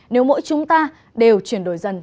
nếu mỗi chúng ta đều chuyển đổi dần